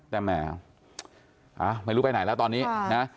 แต่แหมไม่รู้ไปไหนแล้วตอนนี้นะ